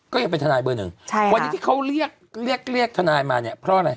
ก็ยังเป็นทนายเบอร์หนึ่งใช่ค่ะวันนี้ที่เขาเรียกเรียกทนายมาเนี่ยเพราะอะไร